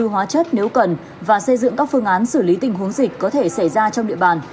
hóa chất nếu cần và xây dựng các phương án xử lý tình huống dịch có thể xảy ra trong địa bàn